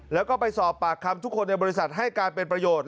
แล้วก็ไปสอบปากคำทุกคนในบริษัทให้การเป็นประโยชน์